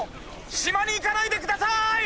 しまにいかないでください！